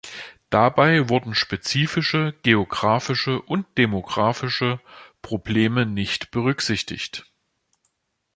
Dabei wurden spezifische geografische und demografische Probleme nicht berücksichtigt.